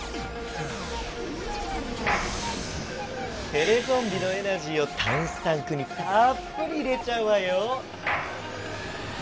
テレゾンビのエナジーをタンスタンクにたっぷり入れちゃうわよ。